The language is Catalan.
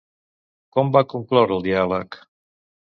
Com va concloure el diàleg?